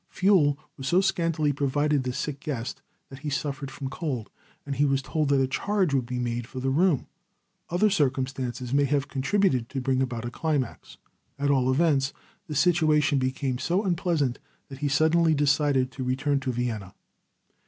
Fuel was so scantily provided the sick guest that he suffered from cold, and he was told that a charge would be made for the room. Other circumstances may have contributed to bring about a climax. At all events the situation became so unpleasant that he suddenly decided to return to Vienna.